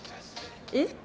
えっ？